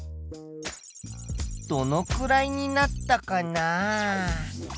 どのくらいになったかな？